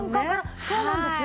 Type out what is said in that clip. そうなんですよ。